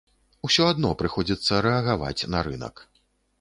Усё адно прыходзіцца рэагаваць на рынак.